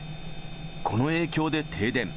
この影響で停電。